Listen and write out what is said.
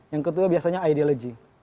yang kedua biasanya ideology